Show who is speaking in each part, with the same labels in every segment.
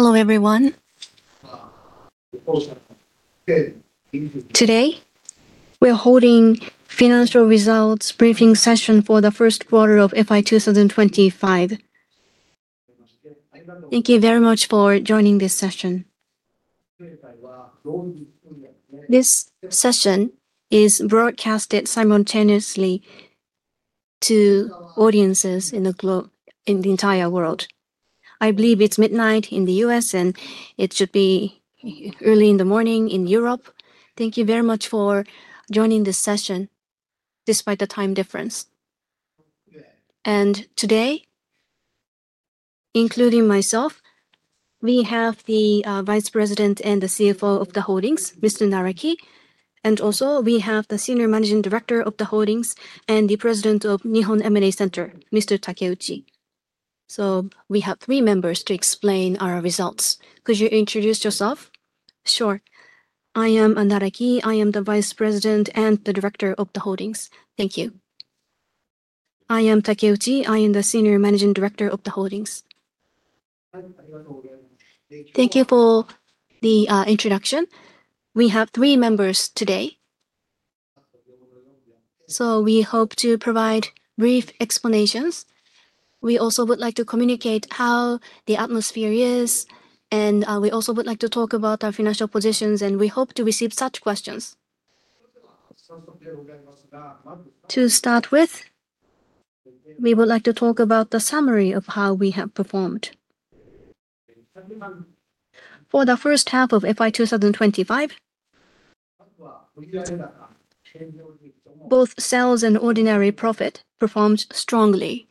Speaker 1: Hello everyone. Today we are holding financial results briefing session for the first quarter of FY 2025. Thank you very much for joining this session. This session is broadcast simultaneously to audiences in the globe. In the entire world. I believe it's midnight in the U.S. It should be early in the morning in Europe. Thank you very much for joining this session despite the time difference and today, Including myself, we have the Vice President and the CFO of the holdings, Mr. Naraki. We also have the Senior Managing Director of the holdings and the President of Nihon M&A Center, Mr. Naoki Takeuchi. We have three members to explain our results. Could you introduce yourself?
Speaker 2: Sure. I am Takamaro Naraki. I am the Vice President and the. Director of the Holdings. Thank you.
Speaker 3: I am Takeuchi. I am the Senior Managing Director of the Holdings.
Speaker 1: Thank you for the introduction. We have three members today, so we hope to provide brief explanations. We would also like to communicate how the atmosphere is. We would also like to talk about our financial positions, and we hope to receive such questions. To start with, we would like to talk about the summary of how we have performed. For the first half of FY 2025, both sales and ordinary profit performed strongly.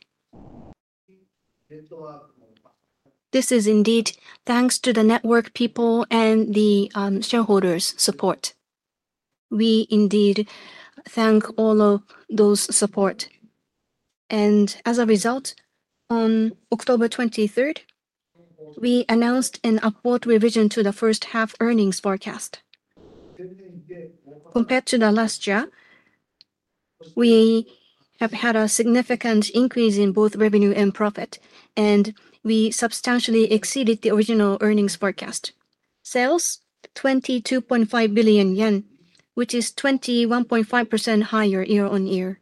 Speaker 1: This is indeed thanks to the network people and the shareholders' support. We indeed thank all those support. As a result, on October 23, we announced an upward revision to the first half earnings forecast. Compared to last year, we have had a significant increase in both revenue and profit. We substantially exceeded the original earnings forecast: sales 22.5 billion yen, which is 21.5% higher year on year.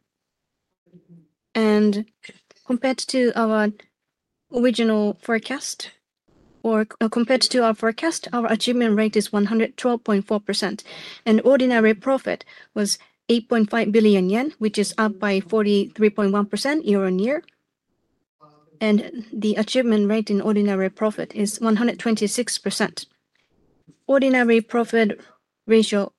Speaker 1: Compared to our original forecast, our achievement rate is 112.4%. Ordinary profit was 8.5 billion yen, which is up by 43.1% year on year. The achievement rate in ordinary profit is 126%. Ordinary profit ratio,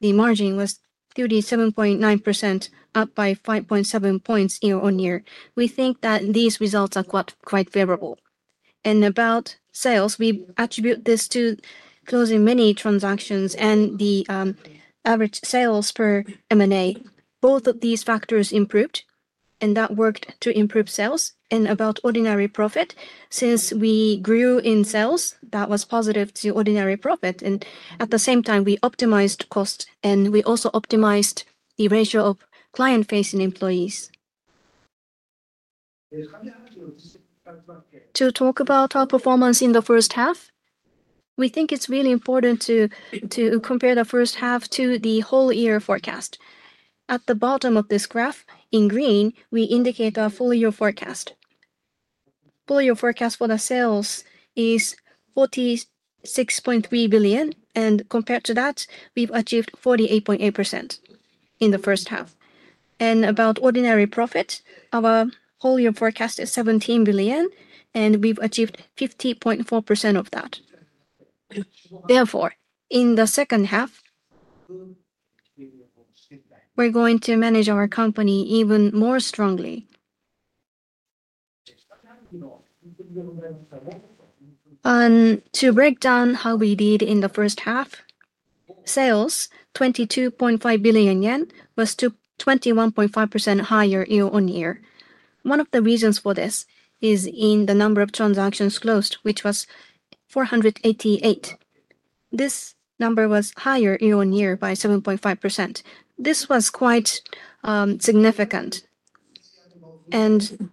Speaker 1: the margin was 37.9%, up by 5.7 points year on year. We think that these results are quite favorable. About sales, we attribute this to closing many transactions and the average sales per M&A. Both of these factors improved and that worked to improve sales. About ordinary profit, since we grew in sales that was positive to ordinary profit. At the same time we optimized. Cost, and we also optimized the ratio. Of client-facing employees. To talk about our performance in the first half, we think it's really important. To compare the first half to the whole year forecast, at the bottom of this graph in green, we indicate a full year forecast. Full year forecast for the sales is 46.3 billion, and compared to that, we've achieved 48.8% in the first half. About ordinary profit, our whole year forecast is 17 billion and we've achieved 50.4% of that. Therefore, in the second half we're going to manage our company even more strongly. To break down how we did in the first half, sales of 22.5 billion yen was 21.5% higher year on year. One of the reasons for this is in the number of transactions closed, which was 488. This number was higher year on year by 7.5%. This was quite significant.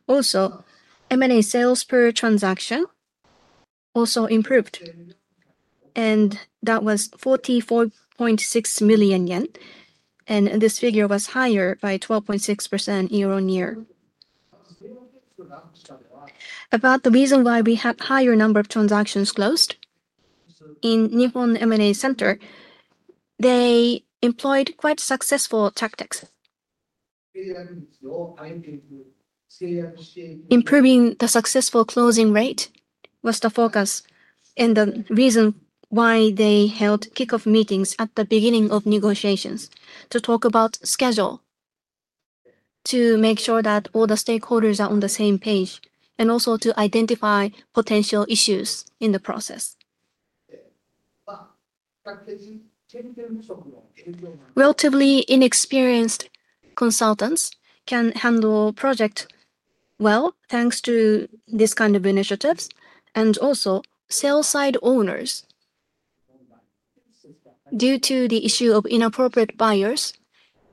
Speaker 1: Also, M&A sales per transaction improved and that was 44.6 million yen. This figure was higher by 12.6% year on year. About the reason why we had a higher number of transactions closed in Nihon M&A Center, they employed quite successful tactics. Improving the successful closing rate was the focus. Focus and the reason why they held kickoff meetings at the beginning of negotiations. To talk about schedule, to make sure that all the stakeholders are on the. Same page, and also to identify potential. Issues in the process. Relatively inexperienced consultants can handle project well. Thanks to this kind of initiatives, and also sell side owners. Due to the issue of inappropriate buyers,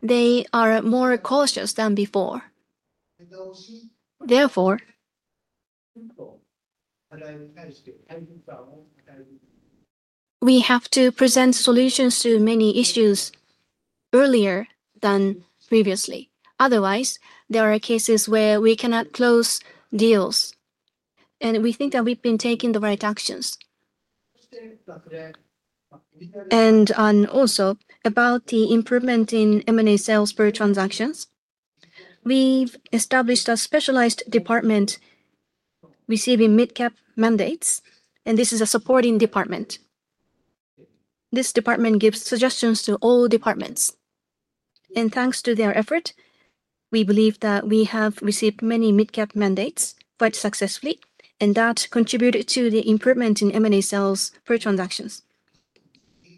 Speaker 1: they are more cautious than before. Therefore, we have to present solutions to many issues earlier than previously. Otherwise, there are cases where we cannot close deals, and we think that we've been taking the right actions. Regarding the improvement in M&A sales per transaction, we've established a specialized department receiving mid-cap mandates. This is a supporting department. This department gives suggestions to all departments, and thanks to their effort, we believe that we have received many mid-cap mandates quite successfully, and that contributed to the improvement in M&A sales per transactions.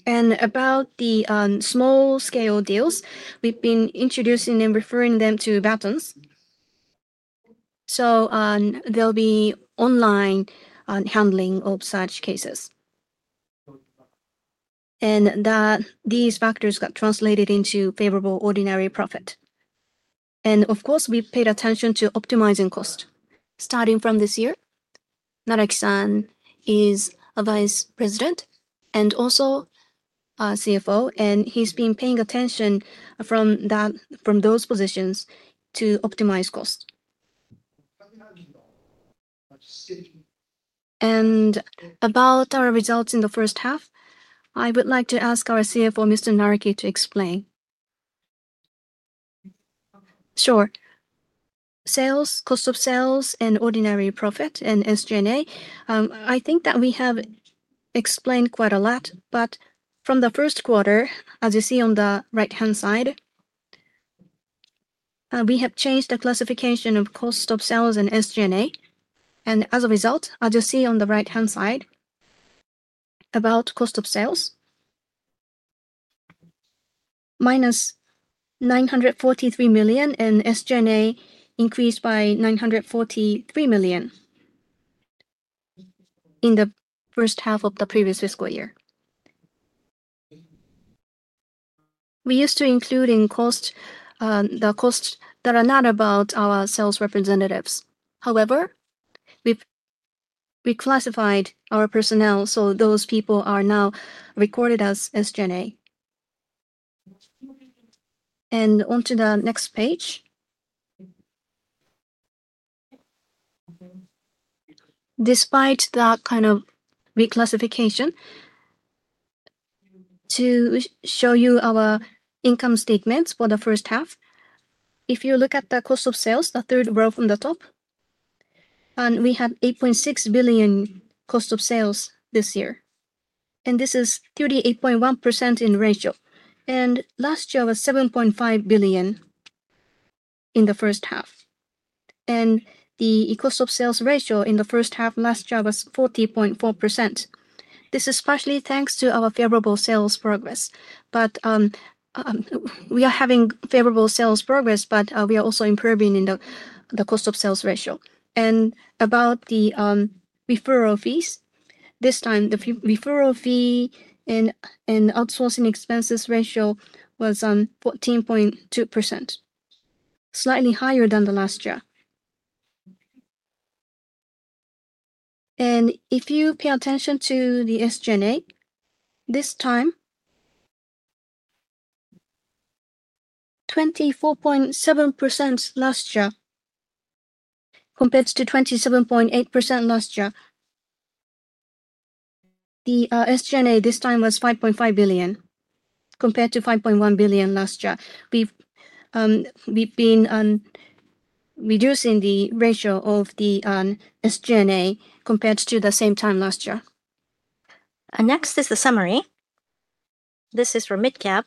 Speaker 1: Regarding the small-scale deals, we've been introducing and referring them to Vatons, so there'll be online handling of such cases, and these factors got translated into favorable ordinary profit. Of course, we paid attention to. Optimizing cost starting from this year. Naraki is a Vice President and. Also CFO, and he's been paying attention from that, from those positions, to optimize cost. About our results in the first. Half, I would like to ask our CFO Mr. Naraki to explain.
Speaker 2: Sure. Sales, cost of sales, ordinary profit, and SG&A. I think that we have explained quite a lot. From the first quarter, as you see on the right-hand side. We. Have changed the classification of cost of sales and SG&A, and as a result, as you see on the right-hand side, about cost of sales -943 million and SG&A increased by 943 million. In the first half of the previous fiscal year. We used to include in cost the. Costs that are not about our sales representatives. However, we've reclassified our personnel, so those. People are now recorded as SG&A. On to the next page. Despite. That kind of reclassification. To show you our income statements for the first half. If you look at the cost of sales, the third row from the top, we have 8.6 billion cost of sales this year. This is 38.1% in ratio. Last year was 7.5 billion in the first half, and the cost of sales ratio in the first half last year was 40.4%. This is partially thanks to our favorable sales progress. We are having favorable sales progress, and we are also improving in the. Cost of sales ratio. Regarding the referral fees, this time the referral fee and outsourcing expenses ratio was 14.2%, slightly higher than last year. If you pay attention to the SG&A, this time it was 24.7% compared to 27.8% last year. The SG&A this time was 5.5 billion compared to 5.1 billion last year. We've been reducing the ratio of the SG&A compared to the same time last year. Next is the summary. This is for mid-cap.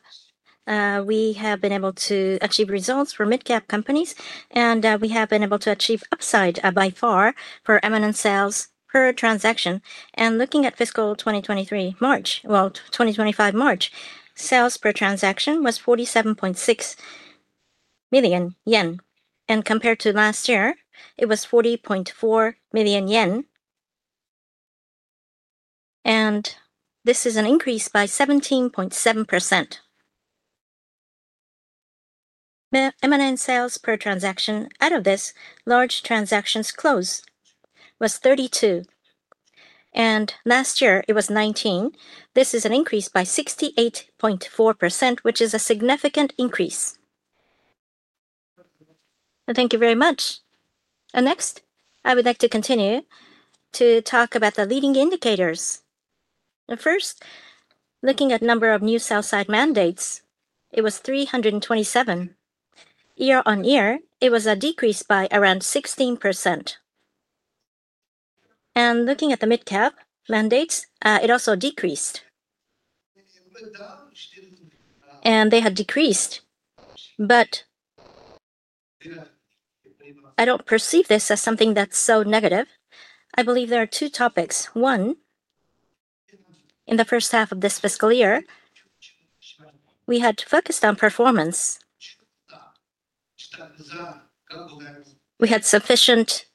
Speaker 2: We have been able to achieve results for mid-cap companies and we have been able to achieve upside by far for eminent sales per transaction. Looking at fiscal 2023 March, 2025 March sales per transaction was 47.6 million yen. Compared to last year it was 40.4 million yen. This is an increase by 17.7% M&A sales per transaction. Out of this, large transactions closed was 32 and last year it was 19. This is an increase by 68.4% which is a significant increase. Thank you very much. Next, I would like to continue to talk about the leading indicators. First, looking at number of new sell-side mandates, it was 327. Year on year it was a decrease by around 16%. Looking at the mid-cap mandates, it also decreased and they had decreased. I don't perceive this as something that's so negative. I believe there are two topics. One, in the first half of this fiscal year we had to focus on performance. We had sufficient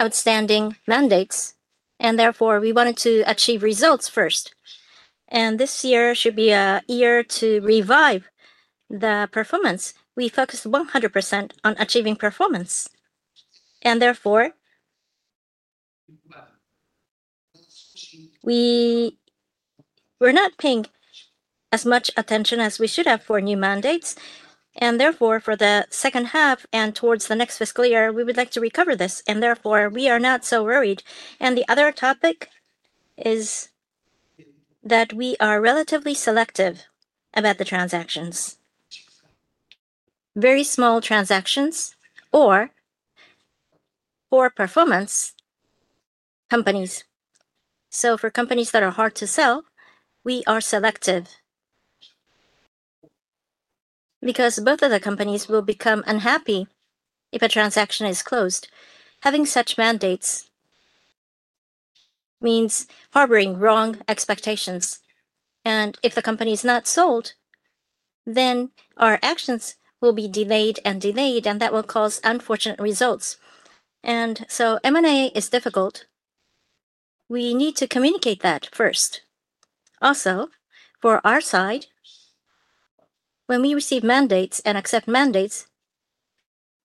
Speaker 2: outstanding mandates, and therefore we wanted to achieve results first. This year should be a year to revive the performance. We focused 100% on achieving performance. Therefore, we were not paying as much attention as we should have for new mandates. For the second half and towards the next fiscal year, we would like to recover this. We are not so worried. The other topic is that we are relatively selective about the transactions, very. Small transactions or poor performance companies. For companies that are hard to. We are selective. Because both of the companies will become unhappy if a transaction is closed. Having such mandates means harboring wrong expectations. If the company is not sold, our actions will be delayed. Delayed, that will cause unfortunate results. M&A is difficult. We need to communicate that first. Also, for our side, when we receive. Mandates and accept mandates,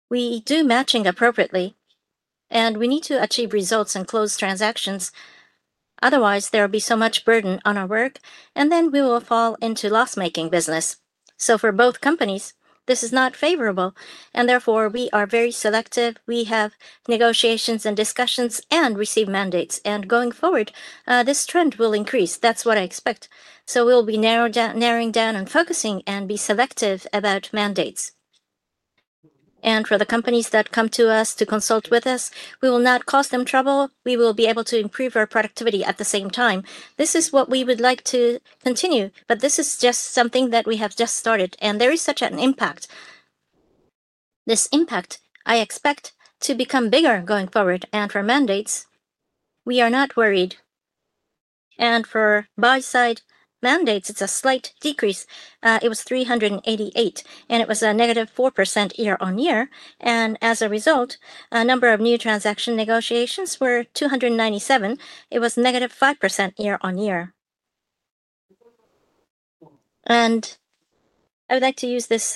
Speaker 2: we do matching appropriately, and we need to achieve results and close transactions. Otherwise, there will be so much burden. On our work, we will fall into loss-making business. For both companies, this is not. Favorable, and therefore we are very selective. We have negotiations and discussions and receive. Mandates and going forward this trend will increase. That's what I expect. We'll narrow down, narrowing down and focusing and be selective about mandates. For the companies that come to us to consult with us, we will. Not cause them trouble. We will be able to improve our productivity at the same time. This is what we would like to continue. This is just something that we have just started, and there is such an impact. This impact I expect to become bigger going forward. For mandates we are not worried. For buy side mandates, it's a slight decrease. It was 388 and it was a negative 4% year on year. As a result, the number of new transaction negotiations was 297, it was minus 5% year on year. I would like to use this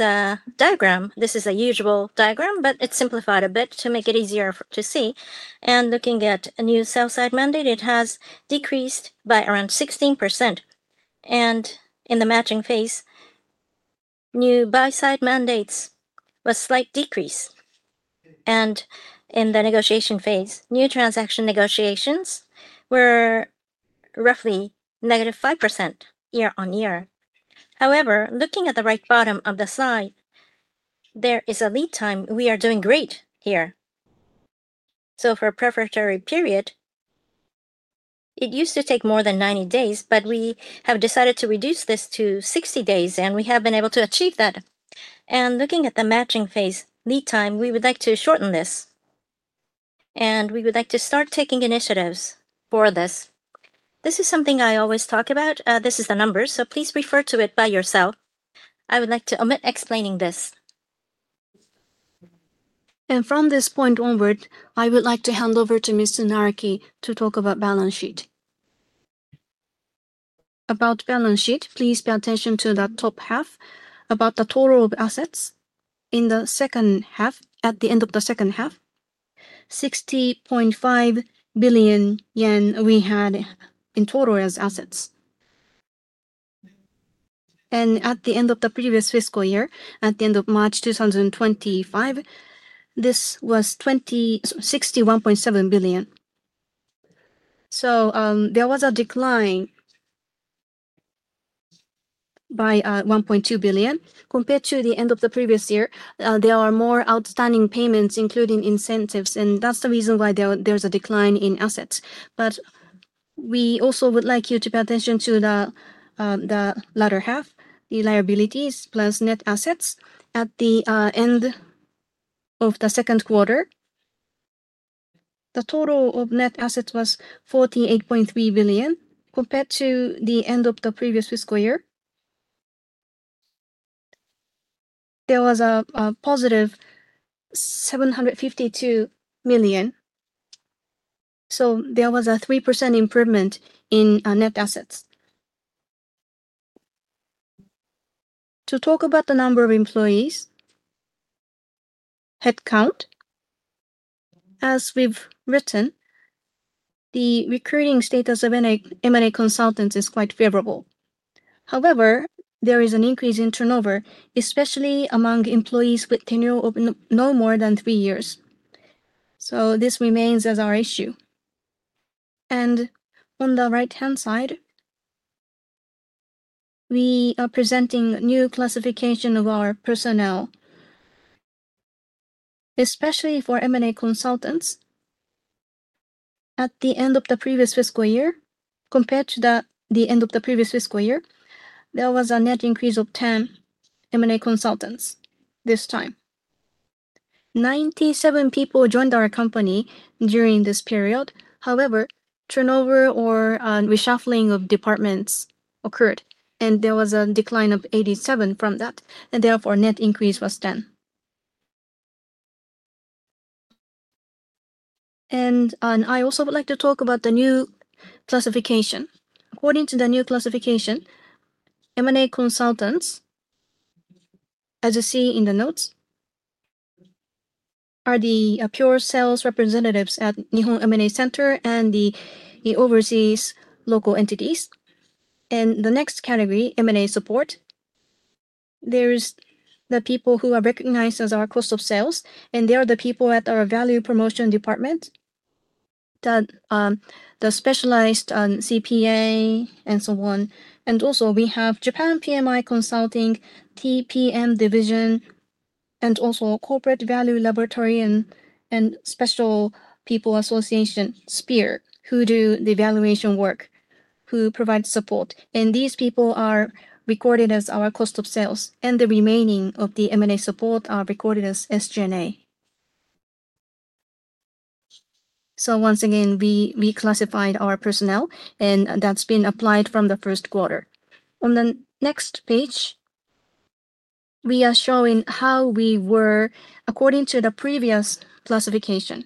Speaker 2: diagram. This is a usual diagram, but it's simplified a bit to make it easier to see. Looking at a new sell side mandate, it has decreased by around 16%. In the matching phase, new buy side mandates was slight decrease. In the negotiation phase, new transaction negotiations were roughly negative 5% year on year. However, looking at the right bottom of the slide, there is a lead time. We are doing great here. For a preparatory period, it used to take more than 90 days. We have decided to reduce this to 60 days and we have been. Able to achieve that. Looking at the matching phase lead time, we would like to shorten this. We would like to start taking initiatives for this. This is something I always talk about. This is the number, so please refer to it by yourself. I would like to omit explaining this. From this point onward, I would like to hand over to Mr. Naoki. To talk about balance sheet.
Speaker 3: About balance sheet. Please pay attention to the top half. About the total of assets in the second half. At the end of the second half, 60.5 billion yen we had in total as assets. At the end of the previous fiscal year, at the end of March 2025, this was 61.7 billion. There was a decline by 1.2 billion compared to the end of the previous. Year, there are more outstanding payments, including. Incentives and that's the reason why there's a decline in assets. We also would like you to pay attention to the latter half, the liabilities plus net assets. At the end of the second quarter, the total of net assets was 48.3 billion. Compared to the end of the previous fiscal year, there was a positive 752 million. There was a 3% improvement in net assets. To talk about the number of employees head count as we've written, the recruiting status of M&A consultant is quite favorable. However, there is an increase in turnover, especially among employees with turnover of no more than three years. This remains as our issue. On the right hand side we are presenting new classification of our personnel, especially for M&A consultants. At the end of the previous fiscal year, compared to the end of the previous fiscal year, there was a net increase of 10 M&A consultants. This time, 97 people joined our company. During this period, however, turnover or reshuffling of departments occurred and there was a decline of 87 from that and therefore net increase was 10. I also would like to talk. About the new classification. According to the new classification, M&A consultants, as you see in the notes. Are. The pure sales representatives at Nihon M&A Center and the overseas local entities. The next category, M&A support, there's the people who are recognized as our cost of sales and they are the people at our Value Promotion Department, the specialized CPA and so on. We also have Japan PMI Consulting, TPM Division, and also Corporate Value Laboratory and Special People Association sphere who do the evaluation work, who provide support. These people are recorded as our cost of sales and the remaining of the M&A support are recorded as SGA. Once again, we classified our personnel and that's been applied from the first quarter. On the next page, we are showing how we were according to the previous classification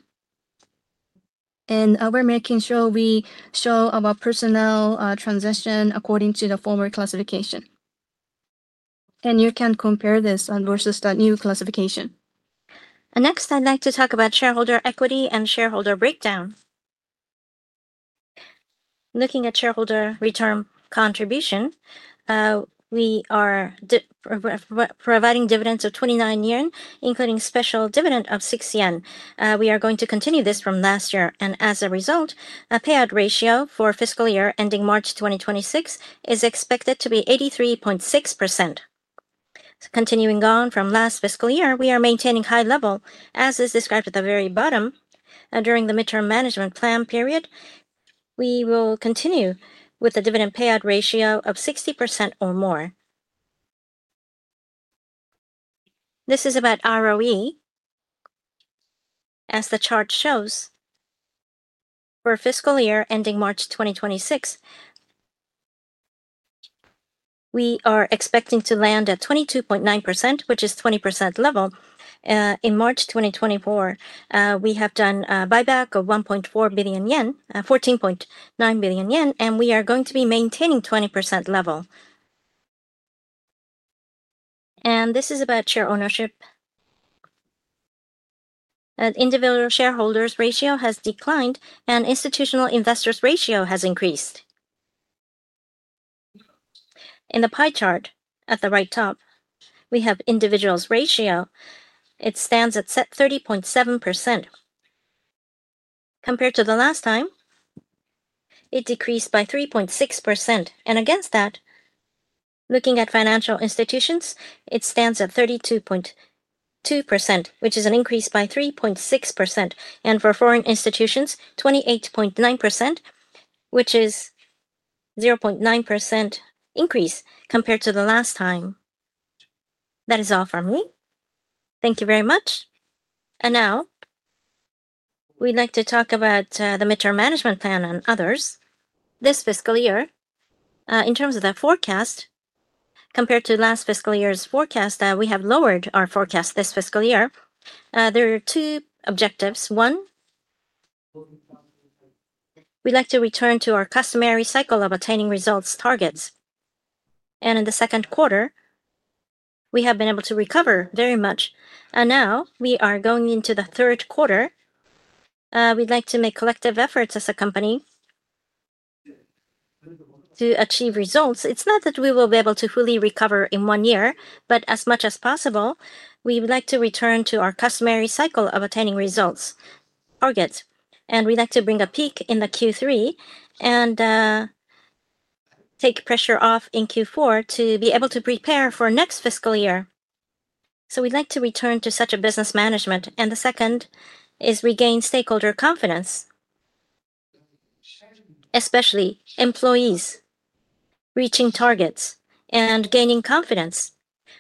Speaker 3: and we're making sure we show our personnel transition according to the former classification. You can compare this versus the new classification. Next, I'd like to talk about shareholder equity and shareholder breakdown. Looking at shareholder return contribution, we are providing dividends of 29 yen, including special dividend of 6 yen. We are going to continue this from last year and as a result, a payout ratio for fiscal year ending March 2026 is expected to be 83.6%. Continuing on from last fiscal year, we are maintaining high level as is described at the very bottom. During the midterm management plan period, we will continue with the dividend payout ratio of 60% or more. This is about ROE. As the chart shows, for fiscal year ending March 2026, we are expecting to land at 22.9% which is 20% level. In March 2024, we have done a buyback of 1.4 billion yen, 14.9 billion yen, and we are going to be maintaining 20% level. This is about share ownership. Individual shareholders ratio has declined and institutional investors ratio has increased. In the pie chart at the right top, we have individuals ratio, it stands at 30.7%. Compared to the last time, it decreased by 3.6%. Against that, looking at financial institutions, it stands at 32.2% which is an increase by 3.6%. For foreign institutions, 28.9% which is 0.9% increase compared to the last time. That is all from me. Thank you very much. Now we'd like to talk about the midterm management plan and others this fiscal year in terms of the forecast. Compared to last fiscal year's forecast, we have lowered our forecast this fiscal year. There are two objectives. One. We'd like to return to our customary cycle of attaining results targets. In the second quarter, we have been able to recover very much. Now we are going into the third quarter. We'd like to make collective efforts as a company to achieve results. It's not that we will be able to fully recover in one year, but as much as possible, we would like to return to our customary cycle of attaining results or get. We'd like to bring a peak in Q3 and take pressure off in Q4 to be able to prepare for next fiscal year. We'd like to return to such a business management. The second is regain stakeholder confidence, especially employees reaching targets and gaining confidence.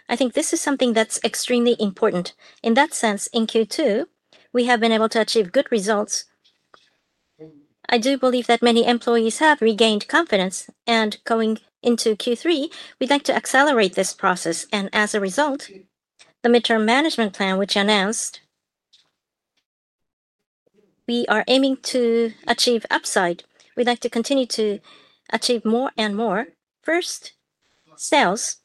Speaker 3: I think this is something that's extremely important. In that sense, in Q2 we have been able to achieve good results. I do believe that many employees have regained confidence. Going into Q3, we'd like to accelerate this process and as a result, the midterm management plan which announced we are aiming to achieve upside, we'd like to continue to achieve more and more. First, sales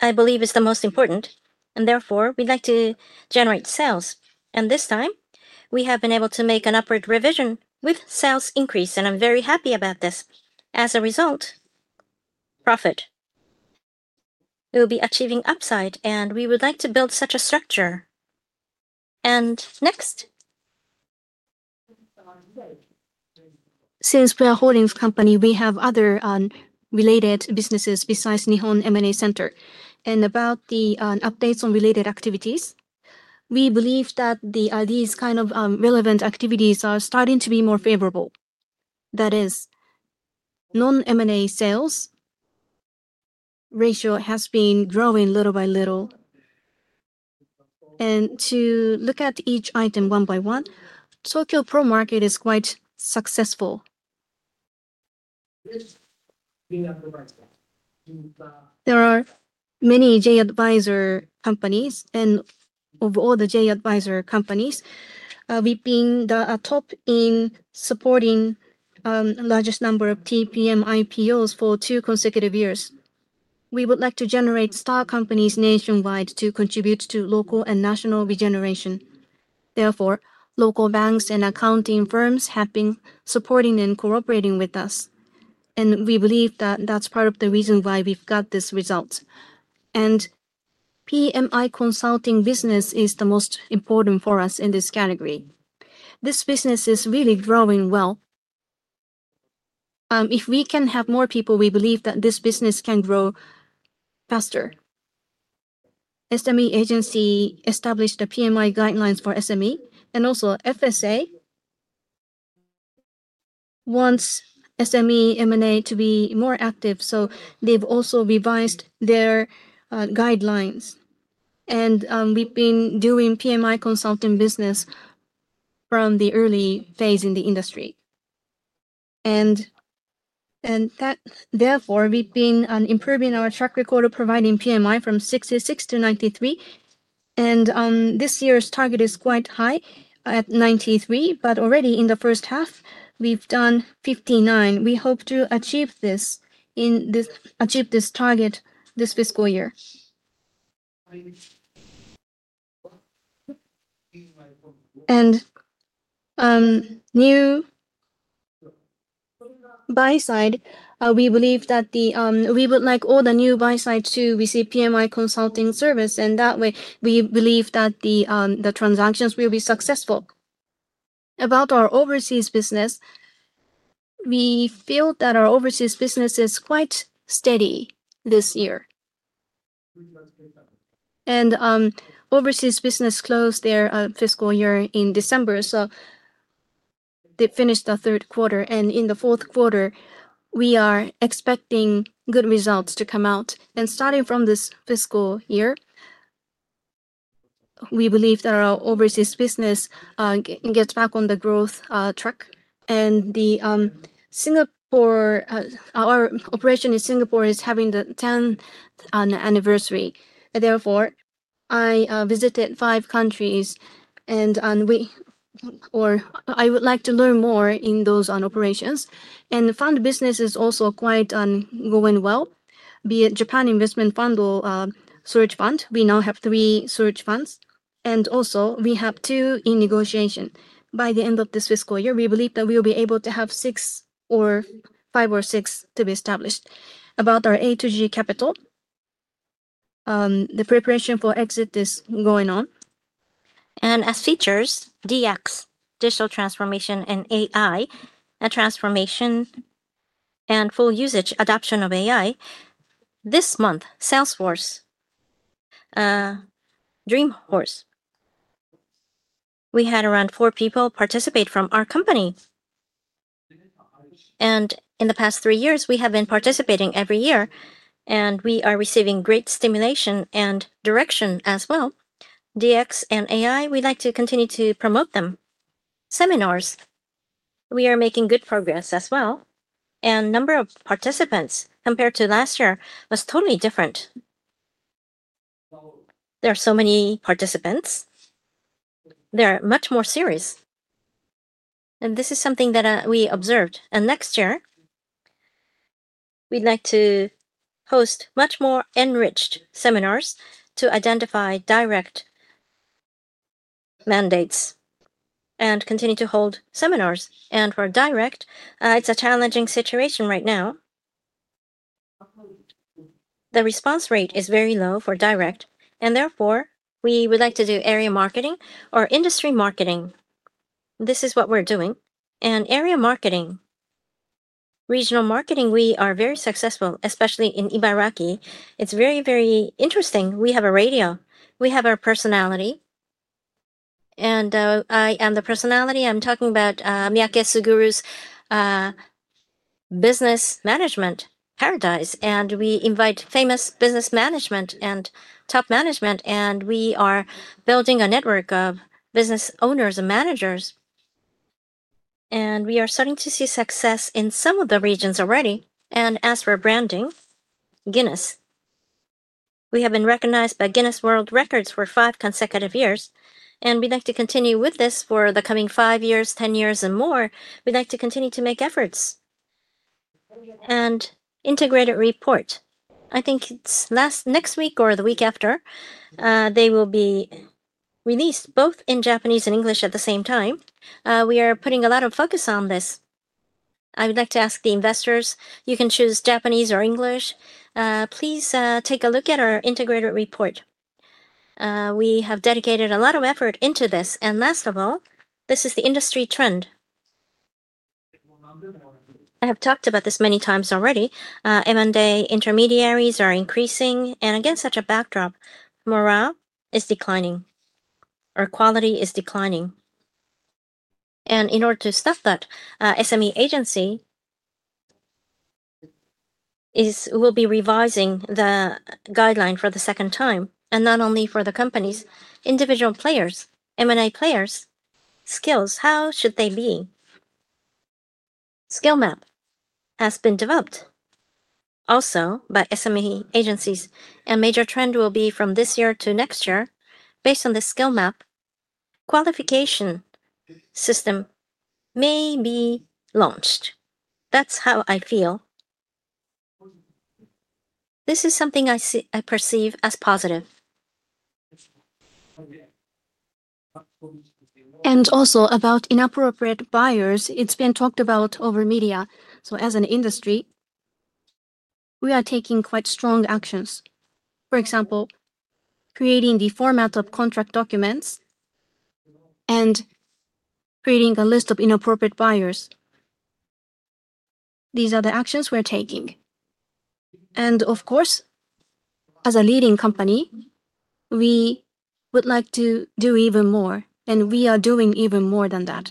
Speaker 3: I believe is the most important and therefore we'd like to generate sales and this time we have been able to make an upward revision with sales increase and I'm very happy about this. As a result, profit we will be achieving upside and we would like to build such a structure. Next. Since we are a holdings company. We have other related businesses besides Nihon M&A Center. Regarding the updates on related activities. We believe that these kind of relevant. Activities are starting to be more favorable. That is, non-M&A sales ratio has been growing little by little, and to look at each item one by one. Tokyo Pro Market is quite successful. There are many J Advisor companies, and of all the J Advisor companies we've been top in supporting largest number of TPM IPOs for two consecutive years. We would like to generate star companies nationwide to contribute to local and national regeneration. Therefore, local banks and accounting firms have been supporting and cooperating with us, and we believe that that's part of the reason why we've got this result. PMI consulting business is the most important for us in this category. This business is really growing. Well. If we can have more people. We believe that this business can grow faster. The SME Agency established the PMI guidelines for SME, and also the FSA wants SME M&A to be more active. They've also revised their guidelines, and we've been doing PMI consulting business from the early phase in the industry. Therefore, we've been improving our track record of providing PMI from 66 to 93, and this year's target is quite high at 93. Already in the first half, we've done 59. We hope to achieve this target this fiscal year, and new buy side we believe that the. We would like all the new buy. Side to receive PMI consulting service, and that way we believe that the transactions will be successful. About our overseas business, we feel that our overseas business is quite steady this year. Overseas business closed their fiscal year in December, so they finished the. Third quarter and in the fourth quarter. We are expecting good results to come out, and starting from this fiscal year, we believe that our overseas business gets back on the growth track. Singapore, our operation in Singapore is having the 10th anniversary. Therefore, I visited five countries and we. I would like to learn more in those on operations and fund business. Is also quite going well. The Japan Investment Fund Search Fund, we now have three search funds, and also we have two in negotiation by the end of this fiscal year We believe that we will be able. To have five or six to be established. About our A to G capital, the preparation for Exit is going on. As features DX Digital Transformation and AI, a transformation and full usage, adoption of AI this month, Salesforce Dreamforce, we had around four people participate from our company. In the past three years. We have been participating every year, and we are receiving great stimulation and direction as well. DX and AI, we'd like to continue to promote them. Seminars, we are making good progress as well. The number of participants compared to last year was totally different. There are so many participants, there are. Much more serious, and this is something that we observed. Next year we'd like to host much more enriched seminars to identify direct mandates and continue to hold seminars. For direct, it's a challenging situation right now. The response rate is very low for direct, and therefore we would like to. Do area marketing or industry marketing. This is what we're doing in area marketing, regional marketing. We are very successful, especially in Ibaraki. It's very, very interesting. We have a radio, we have our. Personality and I am the personality. I'm talking about Miyake Suguru's business management paradise. We invite famous business management and. Top management and we are building a network of business owners and managers, and we are starting to see success in some of the regions already. As for branding, we have been recognized by Guinness World Records for five consecutive years, and we'd like to continue with this. For the coming five years, ten years, and more. We'd like to continue to make efforts and integrated report. I think it's next week or the. Week after, they will be released both in Japanese and English at the same time. We are putting a lot of focus on this. I would like to ask the investors. You can choose Japanese or English. Please take a look at our integrated report. We have dedicated a lot of effort into this. Last of all, this is the industry trend. I have talked about this many times already. M&A intermediaries are increasing, and against such a backdrop, morale is declining, air quality is declining. In order to stop that, SME Agency. Agency will be revising the guideline for the second time. Not only for the companies, individual players. M&A players' skills, how should they be? Skill Map has been developed also by SME Agency. A major trend will be from this. Year to next year, based on The Skill map qualification system, may be launched. That's how I feel. This is something I perceive as positive. Regarding inappropriate buyers, it has been talked about over media. As an industry, we are taking quite strong actions. For example, creating the format of contract documents and creating a list of inappropriate buyers. These are the actions we're taking. As a leading company, we would like to do even more. We are doing even more than that.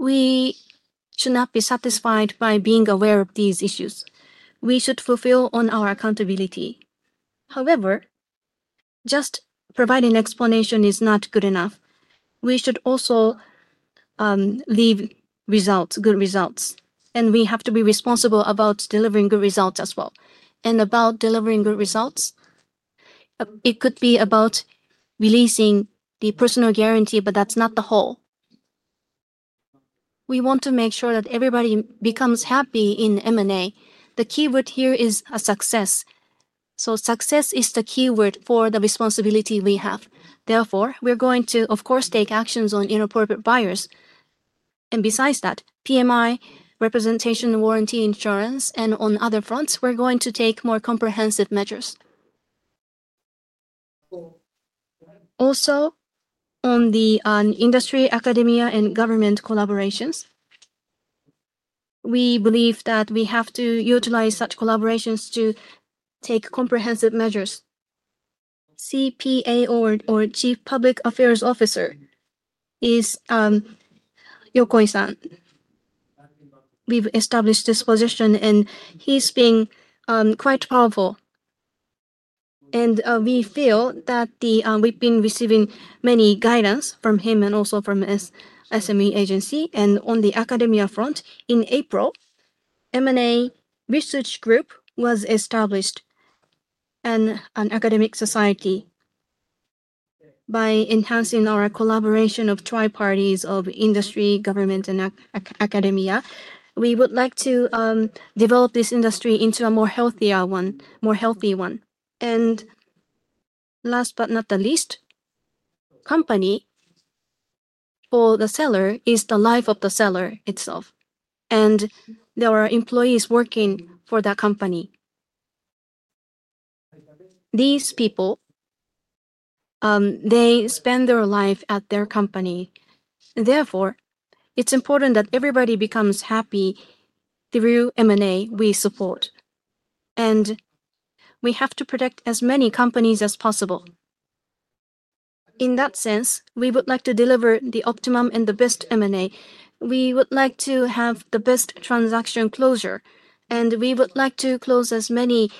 Speaker 3: We should not be satisfied by being aware of these issues. We should fulfill on our accountability. However, just providing explanation is not good enough. We should also leave good results. We have to be responsible about delivering good results as well. About delivering good results, it could be about releasing the personal guarantee, but that's not the whole. We want to make sure that everybody becomes happy in M&A. The key word here is success. Success is the keyword for the responsibility we have. Therefore, we're going to of course take actions on inappropriate buyers. Besides that, PMI representation, warranty insurance, and on other fronts, we're going to take more comprehensive measures. Also on the industry, academia and government collaborations, we believe that we have to utilize such collaborations to take comprehensive measures. Chief Public Affairs Officer is Yokoi-san. We've established this position and he's being quite powerful, and we feel that we've been receiving much guidance from him and also from the SME Agency and on the academia front. In April, M&A research group was established and an academic society. By enhancing our collaboration of tri parties of industry, government and academia, we would. Like to develop this industry into a. More healthy one. Last but not the least, company. For the seller, it is the life of the seller itself. There are employees working for that company. These people. They spend their life at their company. Therefore, it's important that everybody becomes happy through M&A. We support, and we have to protect. As many companies as possible, in that sense, we would like to. Deliver the optimum and the best M&A. We would like to have the best transaction closure, and we would like to close as many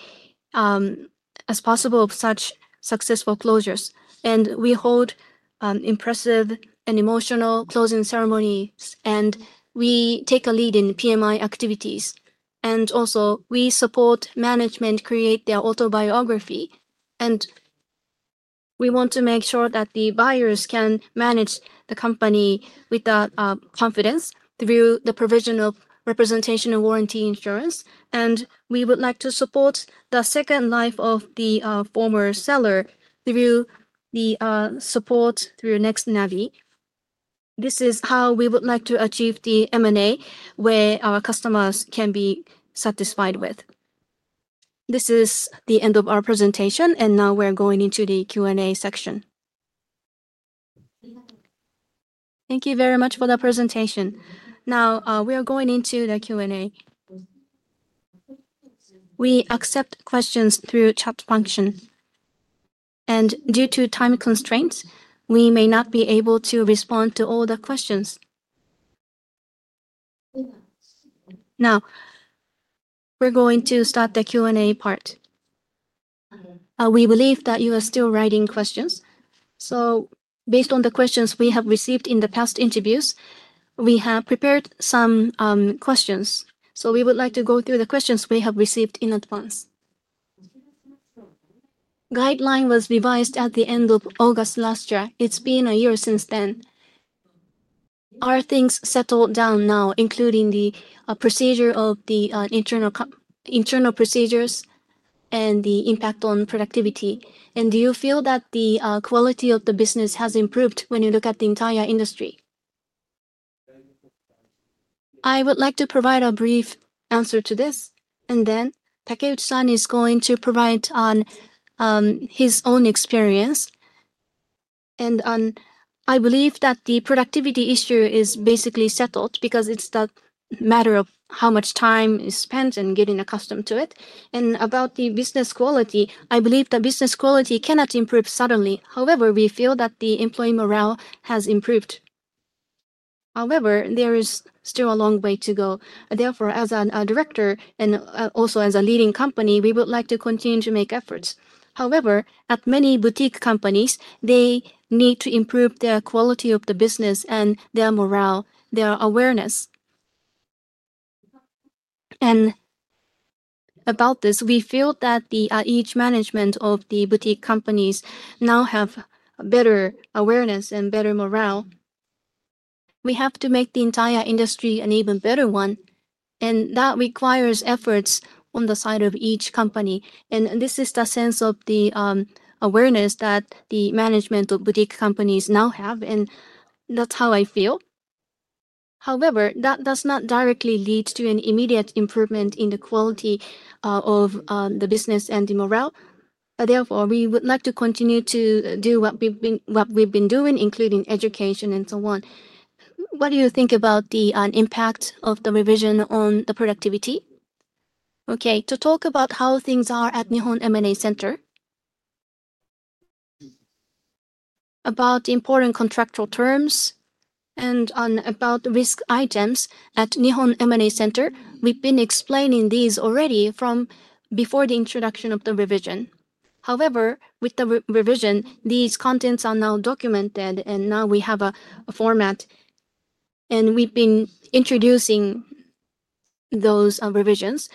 Speaker 3: as possible of such successful closures. We hold impressive and emotional closing ceremonies. We take a lead in PMI activities. We also support management, create their autobiography, and we want to make sure that the buyers can manage the company with confidence through the provision of representation and warranty insurance. We would like to support the second life of the former seller through the support through next navi. This is how we would like to achieve the M&A where our. Customers can be satisfied with. This is the end of our presentation. We are now going into the Q and A section.
Speaker 1: Thank you very much for the presentation. Now we are going into the Q and A. We accept questions through the chat function, and due to time constraints, we may not be able to respond to all the questions. Now we're going to start the Q and A part. We believe that you are still writing questions. Based on the questions we have received in the past interviews, we have prepared some questions. We would like to go through. The questions we have received in advance. The guideline was revised at the end of August last year. It's been a year since then. Are things settled down now, including the procedure of the internal procedures and the impact on productivity? Do you feel that the quality of the business has improved when you look at the entire industry? I would like to provide a brief answer to this. Takeuchi is going to provide on his own experience. I believe that the productivity issue is basically settled because it's the matter of how much time is spent and getting accustomed to it. About the business quality, I believe the business quality cannot improve suddenly. However, we feel that the employee morale has improved. However, there is still a long way to go. Therefore, as a Director and also as a leading company, we would like to. Continue to make efforts. However, at many boutique companies, they need to improve their quality of the business and their morale, their awareness. About this, we feel that the management of the boutique companies now have better awareness and better morale. We have to make the entire industry an even better one. That requires efforts on the side of each company. This is the sense of the awareness that the management of boutique companies now have. That's how I feel. However, that does not directly lead to an immediate improvement in the quality of the business and the morale. Therefore, we would like to continue to do what we've been doing, including education and so on. What do you think about the impact of the revision on the productivity?
Speaker 3: Okay, to talk about how things are at Nihon M&A Center, about important contractual terms and about risk items at Nihon M&A Center, we've been explaining these already from before the introduction of the revision. However, with the revision, these contents are now documented and now we have a format and we've been introducing those revisions.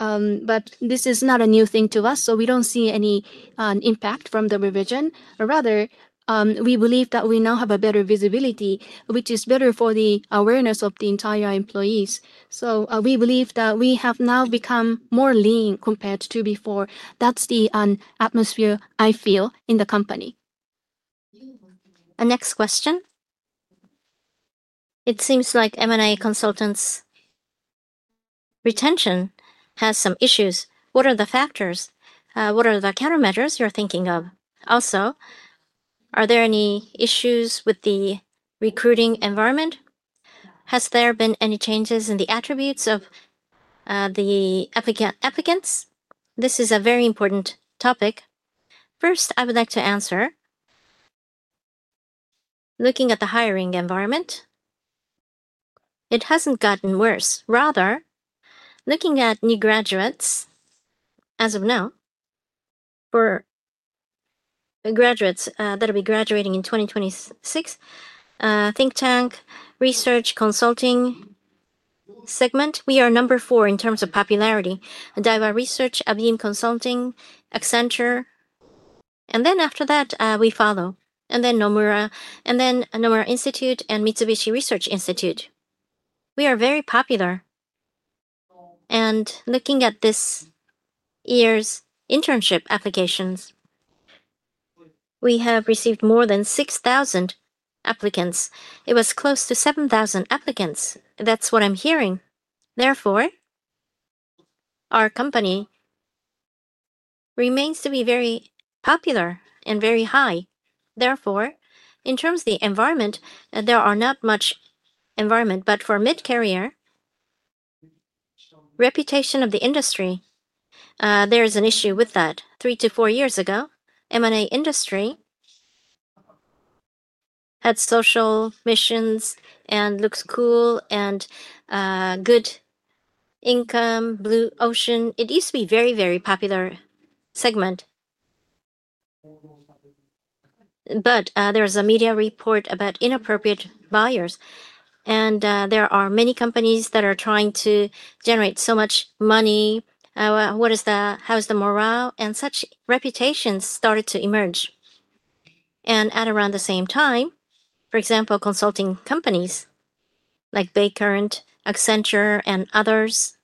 Speaker 3: This is not a new thing to us, so we don't see any impact from the revision. Rather, we believe that we now have better visibility, which is better for the awareness of the entire employees. We believe that we have now become more lean compared to before. That's the atmosphere I feel in the company.
Speaker 1: Next question, it seems like M&A consultants' retention has some issues. What are the factors? What are the countermeasures you're thinking of? Also, are there any issues with the recruiting environment? Has there been any changes in the attributes of the applicants? This is a very important topic. First, I would like to answer. Looking at the hiring environment, it hasn't gotten worse. Rather, looking at new graduates as of now, for graduates that will be graduating in 2026, think tank research consulting segment, we are number four in terms of popularity: Daiba Research, Abim Consulting, Accenture, and then after that we follow, and then Nomura, and then Nomura Institute and Mitsubishi Research Institute. We are very popular, and looking at this year's internship applications, we have received more than 6,000 applicants. It was close to 7,000 applicants, that's what I'm hearing. Therefore, our company remains to be very popular and very high. Therefore, in terms of the environment, there are not much environment, but for mid-career reputation of the industry, there is an issue with that. 3 to 4 years ago, M&A industry had social missions and looks cool and good income, Blue Ocean, it used to be very, very popular segment, but there's a media report about inappropriate buyers and there are many companies that are trying to generate so much money. What is the, how is the morale? Such reputations started to emerge, and at around the same time, for example, consulting companies like Bay Current, Accenture, and others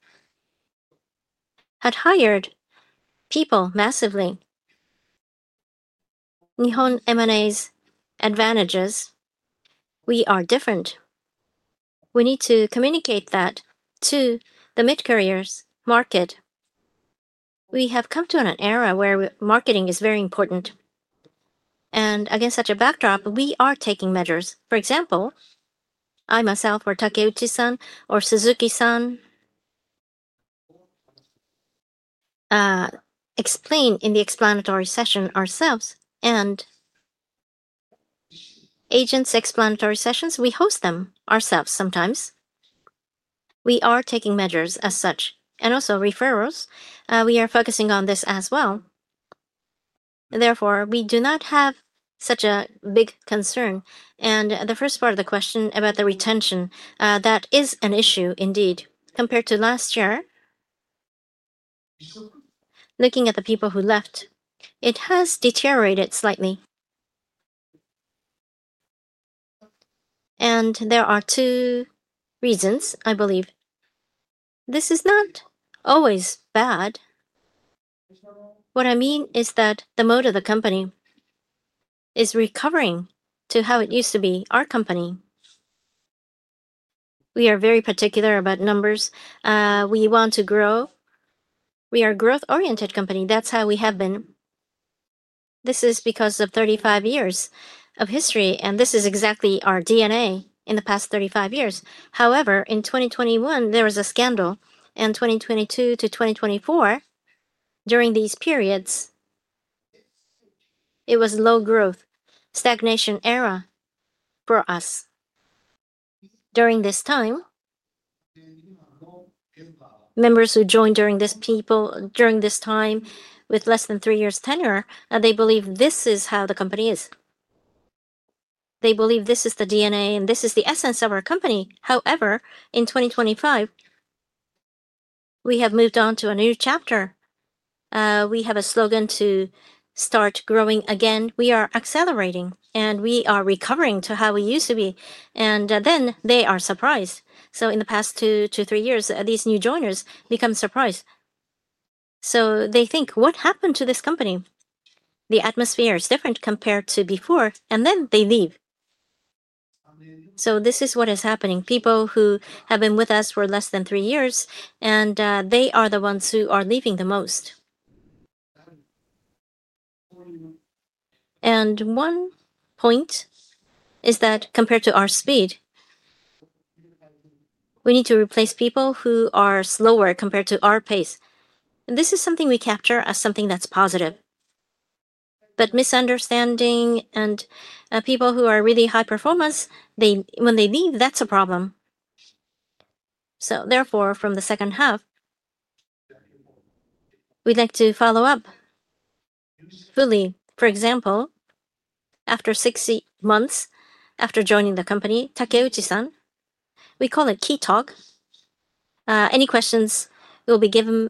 Speaker 1: had hired people massively. Nihon M&A's advantages, we are different, we need to communicate that to the mid-careers market. We have come to an era where marketing is very important and against such. this backdrop, we are taking measures. For example, I myself or Takeuchi-san or Suzuki-san explain in the explanatory session ourselves, and agents' explanatory sessions, we host them ourselves. Sometimes we are taking measures as such, and also referrals, we are focusing on this as well. Therefore, we do not have such a big concern. The first part of the question about the retention, that is an issue indeed. Compared to last year, looking at the people who left, it has deteriorated slightly, and there are two reasons. I believe this is not always bad. What I mean is that the mode of the company is recovering to how it used to be, our company. We. Are very particular about numbers. We want to grow. We are a growth-oriented company, that's how we have been. This is because of 35 years of history, and this is exactly our DNA. In the past 35 years, however, in 2021, there was a scandal. In 2022-2024, during these periods, it was low growth, stagnation era for us. During this time, members who joined during this, people during. This time, with less than three years' tenure, they believe this is how the company is. They believe this is the DNA. This is the essence of our company. However, in 2025, we have moved on to a new chapter. We have a slogan to start growing again. We are accelerating, and we are recovering to how we used to be. They are surprised. In the past two to three. Years, these new joiners become surprised. They think, what happened to this company? The atmosphere is different compared to before, and then they leave. This is what is happening. People who have been with us for less than three years are the ones who are leaving the most. One point is that compared to our speed, we need to replace people who are slower compared to our pace. This is something we capture as something that's positive, but misunderstanding and people who are really high performance, when they leave, that's a problem. Therefore, from the second half, we'd like to follow up fully. For example, after six months after joining the company, Takeuchi-san, we call it Key Talk. Any questions will be given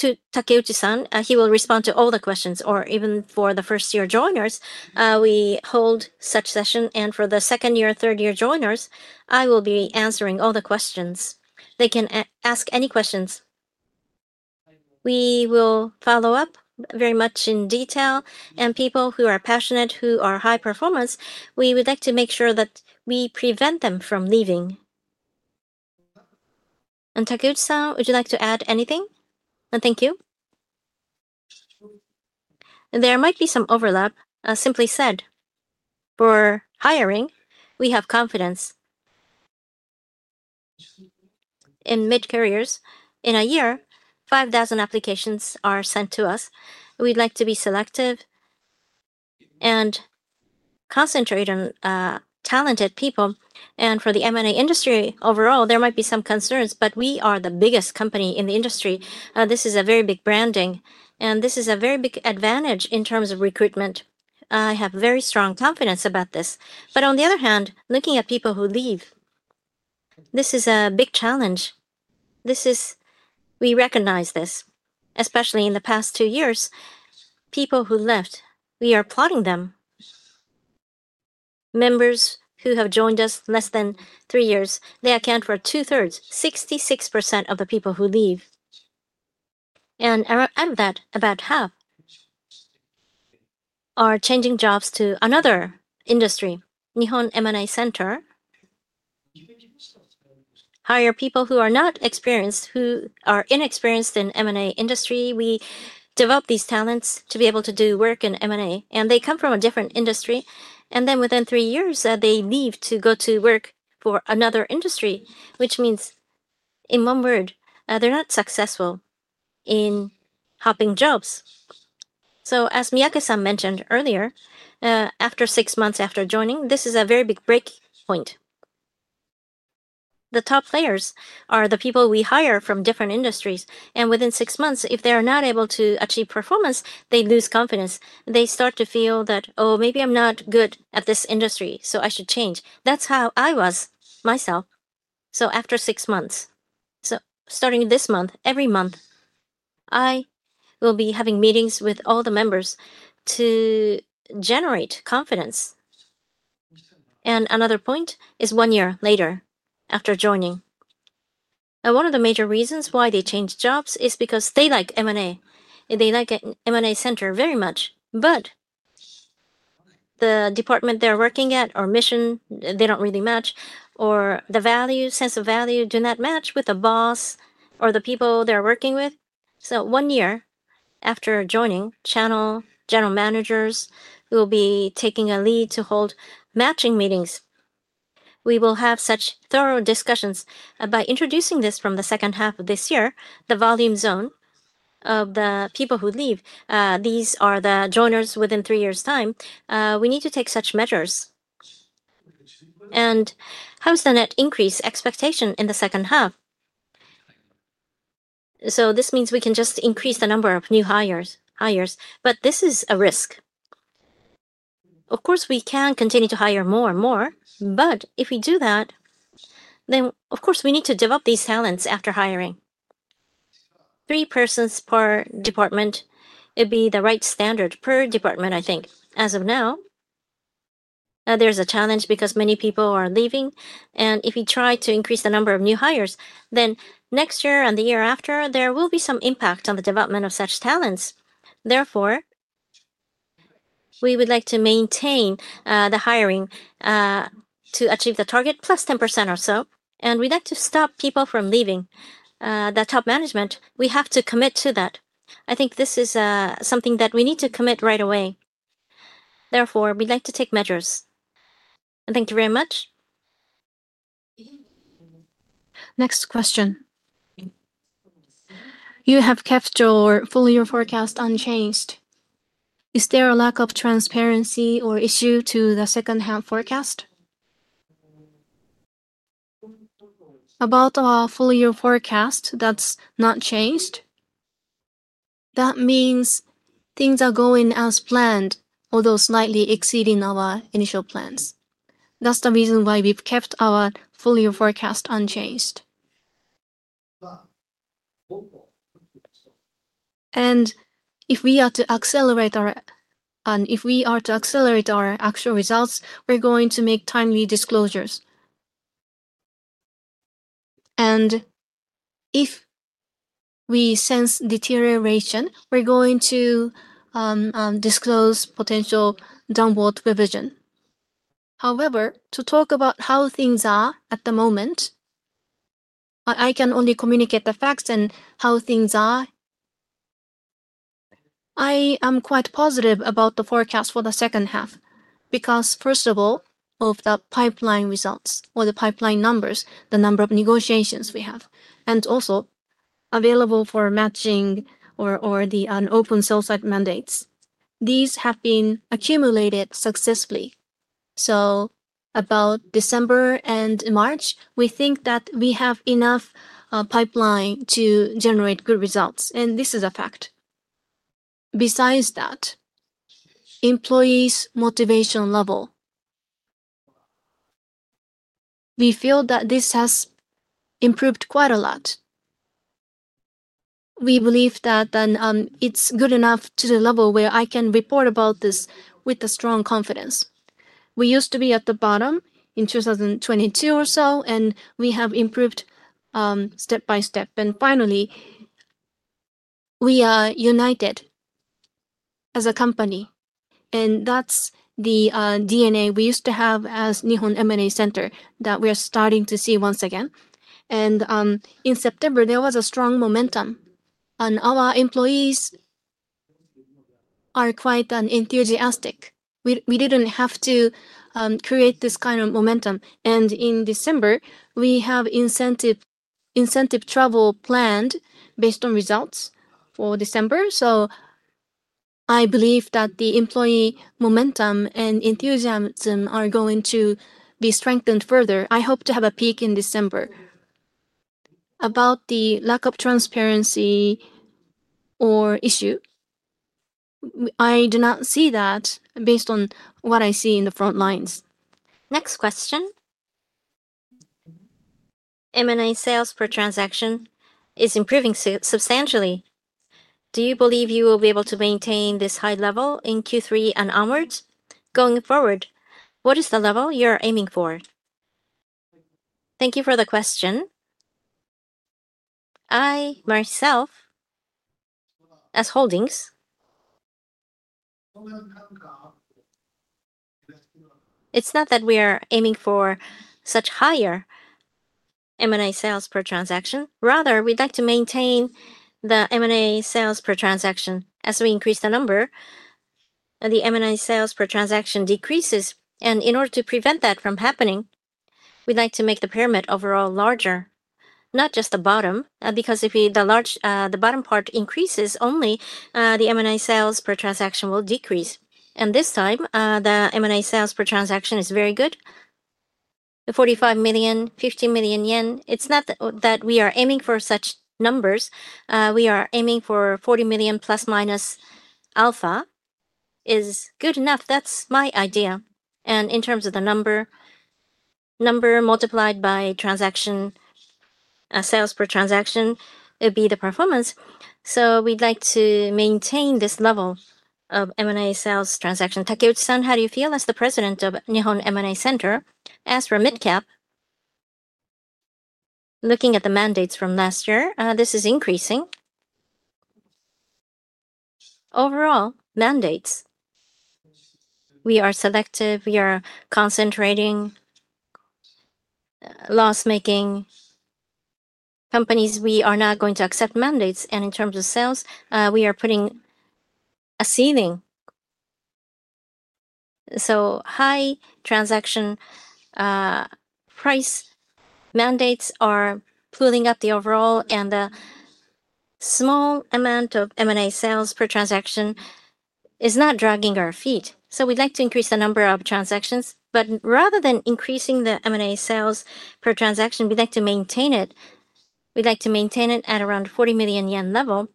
Speaker 1: to Takeuchi-san. He will respond to all the questions. Even for the first year joiners, we hold such session. For the second year, third year joiners, I will be answering all the questions. They can ask any questions, we will follow up very much in detail. People who are passionate, who are high performance, we would like to make sure that we prevent them from leaving. Takeuchi-San, Would you like to add anything? Thank you.
Speaker 3: There might be some overlap. Simply said, for hiring, we have confidence. In mid-careers. In a year, 5,000 applications are sent to us. We'd like to be selective and concentrate on talented people. For the M&A industry. Overall, there might be some concerns, but we are the biggest company in the industry. This is a very big branding, and this is a very big advantage. In terms of recruitment, I have very strong confidence about this. On the other hand, looking at people who leave, this is a big challenge. We recognize this especially in the past two years. People who left, we are applauding them. Members who have joined us less than three years, they account for 2/3, 66% of the people who leave. Out of that, about half. Are. Changing jobs to another industry. Nihon M&A Center hire people. Who are not experienced, who are inexperienced. In M&A industry. We develop these talents to be able. To do work in M&A and they come from a different industry, and then within three years they leave. To go to work for another industry. Which means, in one word, they're not. Successful in hopping jobs. As Miyake mentioned earlier, after six months after joining, this is a very big break point. The top players are the people we hire from different industries. Within six months, if they are not able to achieve performance, they lose confidence. They start to feel that oh, maybe. I'm not good at this industry, so I should change. That's how I was myself after six months. Starting this month, every month, I. will be having meetings with all the members to generate confidence. Another point is one year later. After joining, one of the major reasons why they change jobs is because they. Like M&A. They like M&A Center very much. The department they're working at or mission, they don't really match or the sense of value does not match with the boss or the people they're working with. One year after joining, General Managers will be taking a lead to hold matching meetings. We will have such thorough discussions by introducing this from the second half of this year. The volume zone of the people who leave, these are the joiners. Within three years' time, we need to take such measures. How is the net increase expectation in the second half? This means we can just increase. The number of new hires, but this is a risk. Of course, we can continue to hire more and more, but if we do that, then of course we need to develop these talents. After hiring three persons per department, it'd be the right standard per department. I think as of now there's a challenge because many people are leaving, and if you try to increase the number. Of new hires, next year and the year after, there will be some impact on the development of such talents. Therefore, we would like to maintain the hiring to achieve the target plus 10% or so. We'd like to stop people from leaving the top management. We have to commit to that. I think this is something that we need to commit right away. Therefore, we'd like to take measures. Thank you very much.
Speaker 1: Next question. You have kept your full year forecast unchanged. Is there a lack of transparency or issue to the second half forecast about our full year forecast? That's not changed. That means things are going as planned, although slightly exceeding our initial plans. That's the reason why we've kept our full year forecast unchanged. If we are to accelerate our actual results, we're going to make timely disclosures, and if we sense deterioration, we're going to disclose potential downward revision. However, to talk about how things are at the moment, I can only communicate the facts and how things are. I am quite positive about the forecast for the second half because, first of all, the pipeline results or the pipeline numbers, the number of negotiations we have, and also available for matching or the unopened sell side mandates, these have been accumulated successfully. About December and March, we think that we have enough pipeline to generate good results, and this is a fact. Besides that, employees' motivation level, we feel that this has improved quite a lot. We believe that it's good enough to the level where I can report about this with strong confidence. We used to be at the bottom in 2022 or so, and we have improved step by step. Finally, we are united as a company, and that's the DNA we used to have as Nihon M&A Center that we are starting to see once again. In September, there was a strong momentum, and our employees are quite enthusiastic. We didn't have to create this kind of momentum. In December, we have incentive travel planned based on results for December. I believe that the employee momentum and enthusiasm are going to be strengthened further. I hope to have a peak in December. About the lack of transparency or issue, I do not see that based on what I see in the front lines. Next question. M&A sales per transaction is improving substantially. Do you believe you will be able to maintain this high level in Q3? Onwards going forward? What is the level you are aiming for? Thank you for the question. I myself as Holdings, it's not that. We are aiming for such higher M&A sales per transaction. Rather, we'd like to maintain the M&A sales per transaction. As we increase the number, the M&A. A sales per transaction decreases. In order to prevent that from happening, we'd like to make the pyramid overall larger, not just the bottom. Because if the large, the bottom part increases, only the M&A sales per transaction will decrease. This time the M&A. Sales per transaction is very good. 45 million, 50 million yen. It's not that we are aiming for such numbers. We are aiming for 40 million plus minus alpha is good enough. That's my idea. In terms of the number. Multiplied by transaction sales per transaction, it'd be the performance. We'd like to maintain this level of M&A sales transaction. Takeuchi-san, how do you feel as the President of Nihon M&A Center Inc.? As for mid-cap, looking at the mandates from last year, this is increasing overall mandates. We are selective, we are concentrating on loss-making companies. We are not going to accept mandates, and in terms of sales we are putting a ceiling. High transaction price mandates are pulling up the overall and the small amount. Of M&A sales per transaction. are not dragging our feet. We'd like to increase the number of transactions. Rather than increasing the M&A sales per transaction, we'd like to maintain it. We'd like to maintain it at around 40 million yen level.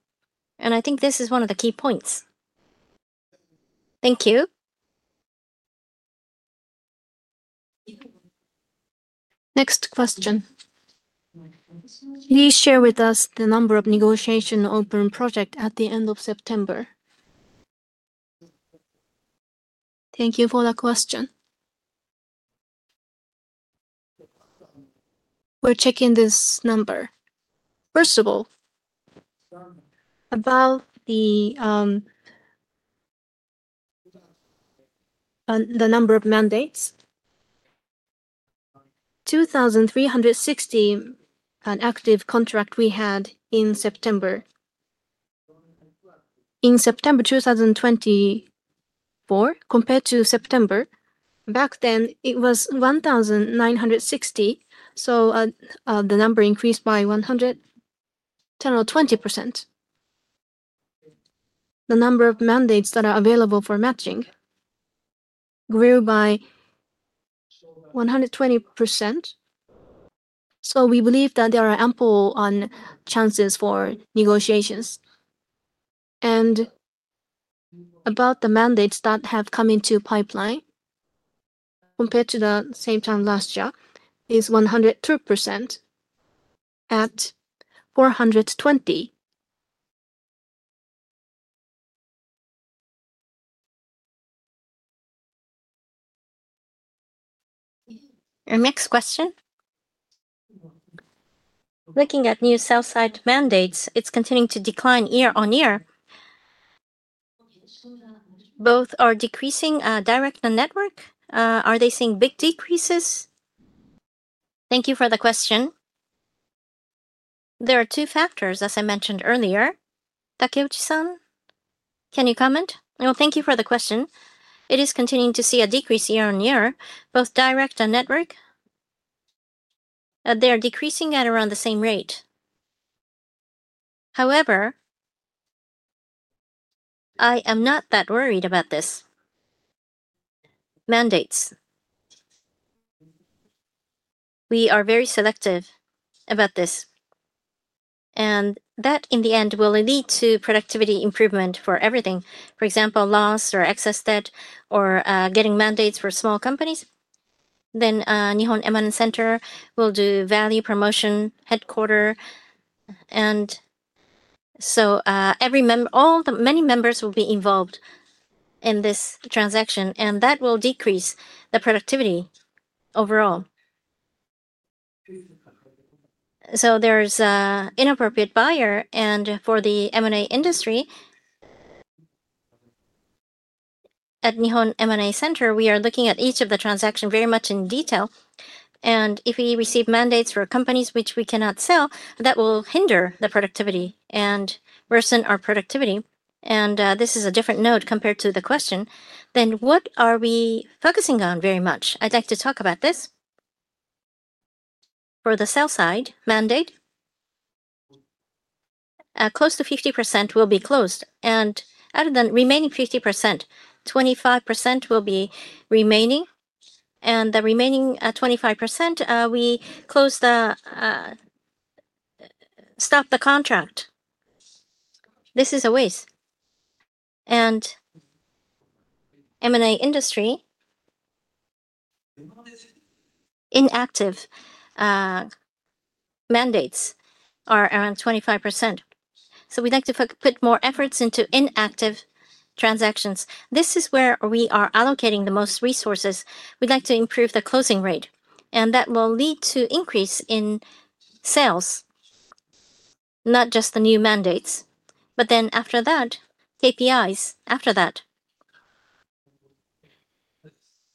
Speaker 1: I think this is one of the key points. Thank you. Next question. Please share with us the number of negotiation open project at the end of September. Thank you for the question. We're checking this number. First of all, about the. The number. Of mandates, 2,360 active contract we had. In September. In September 2024 compared to September back then it was 1,960. The number increased by 110 or 20%. The number of mandates that are available for matching grew by 120%. We believe that there are ample chances for negotiations. About the mandates that have come into pipeline compared to the same time last year is 102% at 420. Next question. Looking at new south side mandates, it's continuing to decline year on year. Both are decreasing. Direct network, are they seeing big decreases? Thank you for the question. There are two factors as I mentioned earlier. Takeuchi-san, can you comment?
Speaker 3: Thank you for the question. It is continuing to see a decrease year on year. Both direct and network, they are decreasing at around the same rate. However. I am not that worried about these mandates. We are very selective about this, and that in the end will lead to productivity improvement for everything. For example, loss or excess debt or getting mandates for small companies, then Nihon M&A Center will do value promotion headquarter, and so every member, all the many members, will be involved in this transaction, and that will decrease the productivity overall. There is inappropriate buyer. For the M&A industry at Nihon M&A Center, we are looking at each of the transactions very much in detail. If we receive mandates for companies which we cannot sell, that will hinder the productivity and worsen our productivity. This is a different note compared to the question. What are we focusing on very much, I'd like to talk about this. For the sell side mandate, close to 50% will be closed, and other than remaining 50%, 25% will be remaining, and the remaining 25%. We close the contract. This is a waste. M&A industry inactive mandates are around 25%. We'd like to put more efforts into inactive transactions. This is where we are allocating the most resources. We'd like to improve the closing rate, and that will lead to increase in sales, not just the new mandates. After that, KPIs. After that,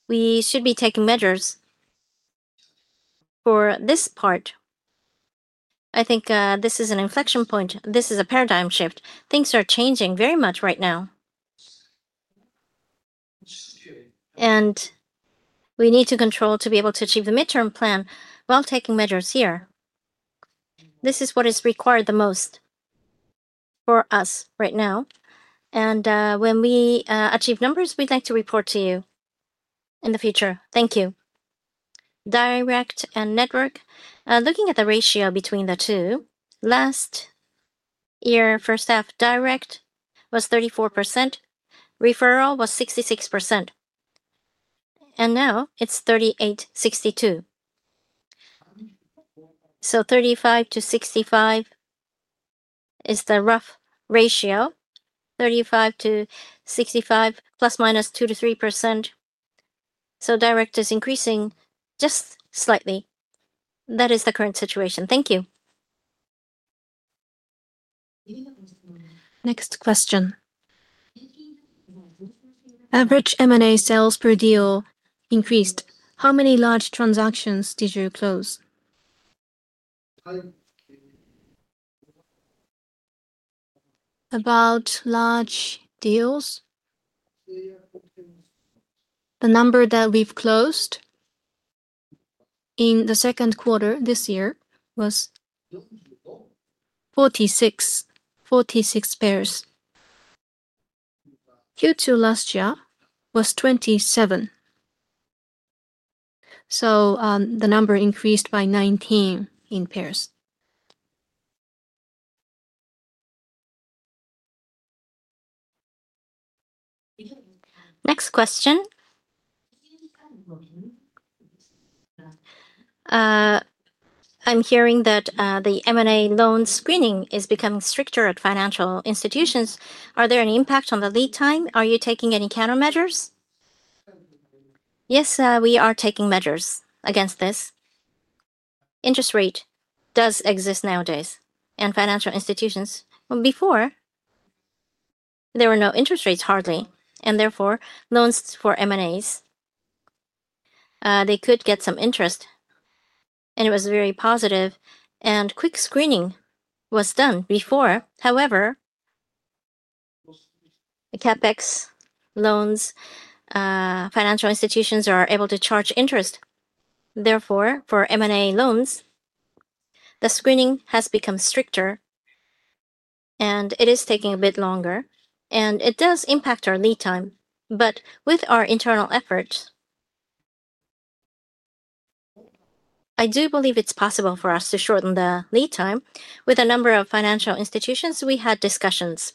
Speaker 3: we should be taking measures for this part. I think this is an inflection point. This is a paradigm shift. Things are changing very much right now, and we need to control to be able to achieve the midterm plan while taking measures here. This is what is required the most for us right now. When we achieve numbers, we'd like to report to you in the future. Thank you. Direct and Network. Looking at the ratio between the two, last year first half direct was 34%, referral was 66%, and now it's 38:62. So 35 to 65 is the rough ratio. 35 to 65 plus minus 2 to 3%. Direct is increasing just slightly. That is the current situation. Thank you.
Speaker 1: Next question. Average M&A sales per deal increased. How many large transactions did you close about large deals? The number that we've closed in the second quarter this year was 46. 46 pairs. Q2 last year was 27. The number increased by 19 in pairs. Next question. I'm hearing that the M&A loan screening is becoming stricter at financial institutions. Are there an impact on the lead time? Are you taking any countermeasures? Yes, we are taking measures against this. Interest rate does exist nowadays, and financial institutions, before, there were no interest rates, hardly. Therefore, loans for M&As could get some interest, and it was very positive and quick. Screening was done before. However. The CapEx loans financial institutions are able to charge interest. Therefore, for M&A loans the screening has become stricter, and it is taking a bit longer, and it does impact our lead time. With our internal efforts, I do believe it's possible for us to shorten the lead time with a number of financial institutions. We had discussions,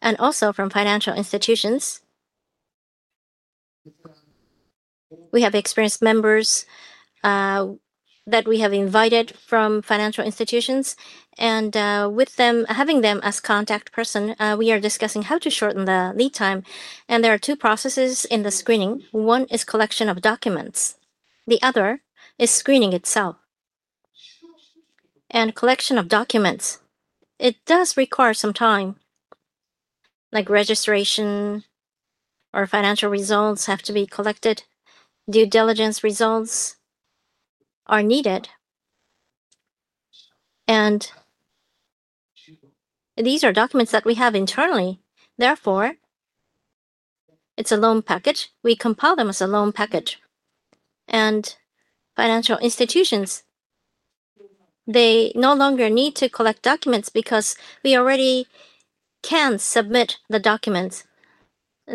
Speaker 1: and also from financial institutions, we have experienced members that we have invited from financial institutions, and with them. Having them as contact person, we are discussing how to shorten the lead time. There are two processes in the screening. One is collection of documents. The other is screening itself and collection of documents. It does require some time, like registration or financial results have to be collected. Due diligence results are needed. These. The documents that we have internally, therefore it's a loan package. We compile them as a loan package. Financial institutions no longer need to collect documents because we already can submit the documents.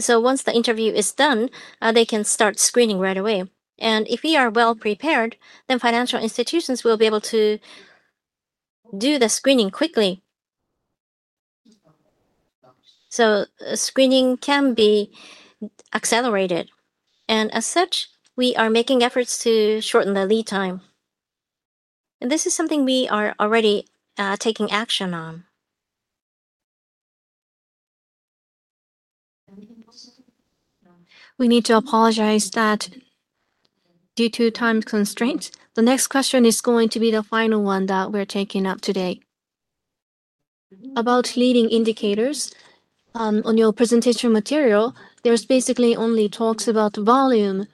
Speaker 1: Once the interview is done, they can start screening right away. If we are well prepared, then financial institutions will be able to do the screening quickly. Screening can be accelerated, and as such we are making efforts to shorten the lead time. This is something we are already taking action on.
Speaker 3: We need to apologize that due to time constraints, the next question is going to be the final one that we're taking up today about leading indicators. On your presentation material, it basically only talks about volume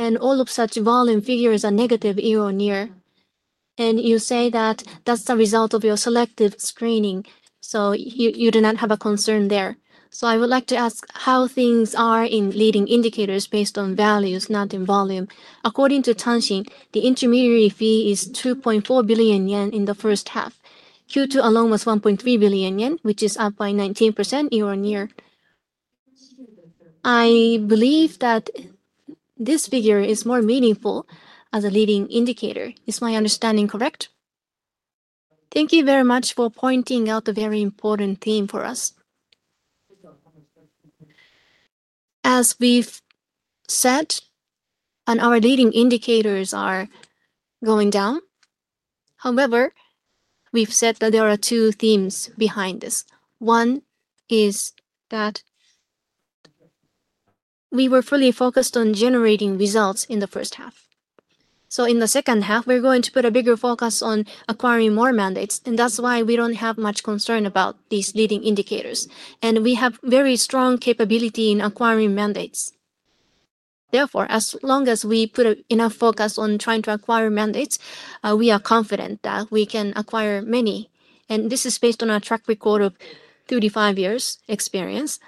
Speaker 3: and all of such volume figures are negative year on year. You say that that's the result of your selective screening, so you do not have a concern there. I would like to ask how things are in leading indicators based on values, not in volume. According to Changxing, the intermediary fee is 2.4 billion yen in the first half. Q2 alone was 1.3 billion yen, which is up by 19% year on year. I believe that this figure is more meaningful as a leading indicator. Is my understanding correct? Thank you very much for pointing out a very important theme for us. As we've said, our leading indicators are going down. However, we've said that there are two themes behind this. One is that we were fully focused on generating results in the first half. In the second half, we're going to put a bigger focus on acquiring more mandates. That's why we don't have much concern about these leading indicators. We have very strong capability in acquiring mandates. Therefore, as long as we put enough focus on trying to acquire mandates, we are confident that we can acquire many. This is based on our track record of 35 years experience.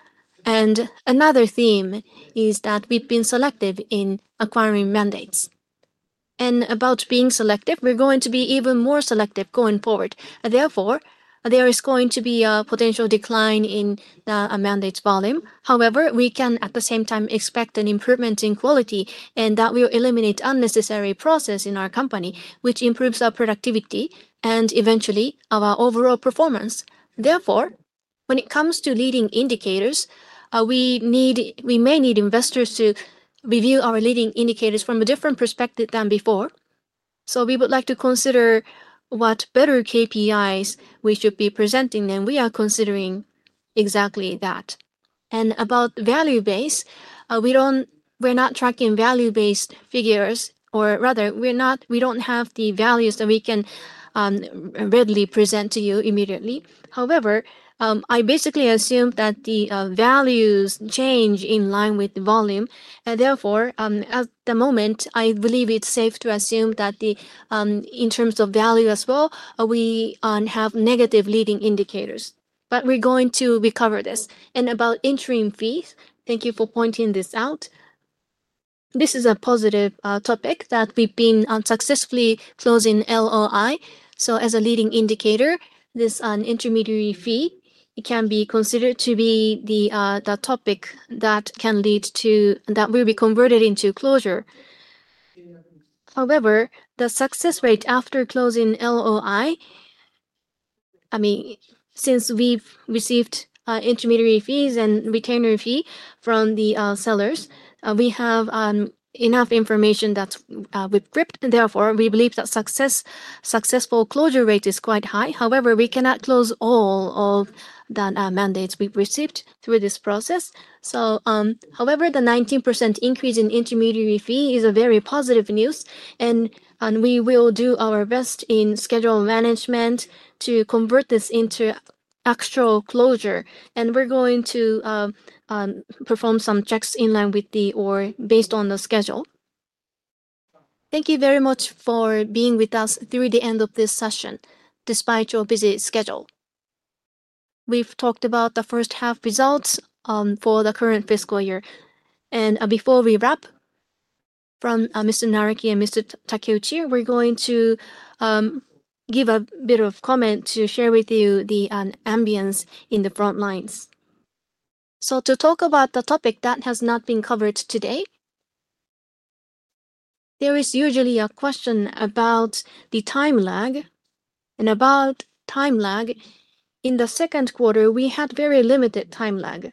Speaker 3: Another theme is that we've been selective in acquiring mandates. About being selective, we're going to be even more selective going forward. Therefore, there is going to be a potential decline in a mandate's volume. However, we can at the same time expect an improvement in quality and that will eliminate unnecessary process in our company, which improves our productivity and eventually our overall performance. When it comes to leading indicators, we may need investors to review our leading indicators from a different perspective than before. We would like to consider what better KPIs we should be presenting. We are considering exactly that. About value base, we don't. We're not tracking value based figures, or rather we're not. We don't have the values that we can readily present to you immediately. However, I basically assume that the values change in line with the volume and therefore at the moment I believe it's safe to assume that in terms of value as well, we have negative leading indicators, but we're going to recover this. About interim fees, thank you for pointing this out. This is a positive topic that we've been unsuccessfully closing LOI. As a leading indicator, this is an intermediary fee. It can be considered to be the topic that can lead to, that will be converted into closure. However, the success rate after closing LOI, I mean, since we've received intermediary fees and retainer fee from the sellers, we have enough information that we've dripped and therefore we believe that successful closure rate is quite high. However, we cannot close all of the mandates we've received through this process. The 19% increase in intermediary fee is very positive news and we will do our best in schedule management to convert this into actual closure. We're going to perform some checks in line with the OR based on the schedule.
Speaker 1: Thank you very much for being with us through the end of this session despite your busy schedule. We've talked about the first half results for the current fiscal year. Before we wrap from Mr. Naraki and Mr. Takeuchi, we're going to give a bit of comment to share with you the ambience in the front lines. To talk about the topic that has not been covered today, there is usually a question about the time lag and about time lag. In the second quarter, we had very limited time lag,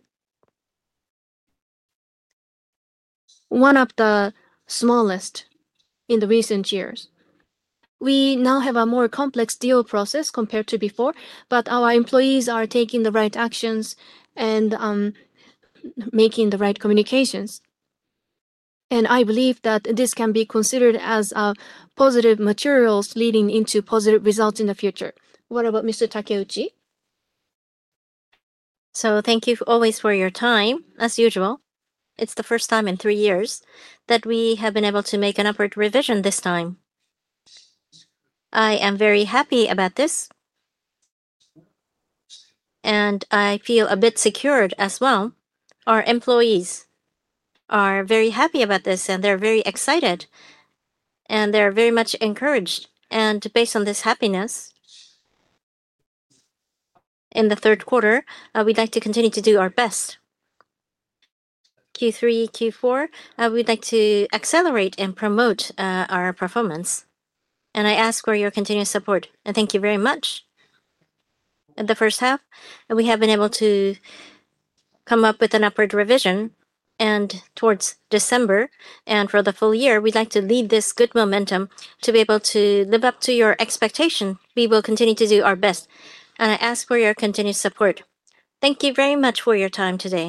Speaker 1: one of the smallest in the recent years. We now have a more complex deal process compared to before. Our employees are taking the right actions and making the right communications and I believe that this can be considered as positive materials leading into positive results in the future. What about Mr. Takeuchi?
Speaker 3: Thank you always for your time as usual. It's the first time in three years. That we have been able to make an upward revision. This time, I am very happy about it. This, and I feel a bit secured as well. Our employees are very happy about this. They are very excited and very much encouraged, based on this happiness. In the third quarter, we'd like to continue to do our best. Q3 and Q4, we'd like to accelerate and promote our performance, and I ask for your continuous support. Thank you very much. In the first half, we have been. Able to come up with an upward revision towards December and for the full year. We'd like to leave this good momentum. To be able to live up to your expectation. We will continue to do our best, and I ask for your continued support. Thank you very much for your time today.